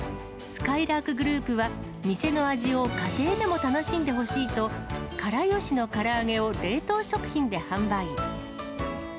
すかいらーくグループは、店の味を家庭でも楽しんでほしいと、から好しのから揚げを冷凍食品で販売。